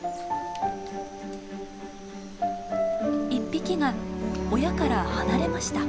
１匹が親から離れました。